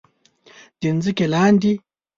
د ځمکې لاندې